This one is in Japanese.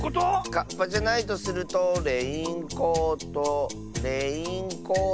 カッパじゃないとするとレインコートレインコート。